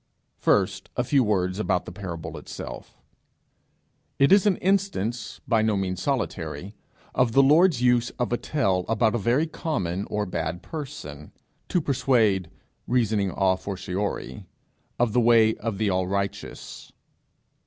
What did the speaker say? First, a few words about the parable itself. It is an instance, by no means solitary, of the Lord's use of a tale about a very common or bad person, to persuade, reasoning a fortiori, of the way of the All righteous.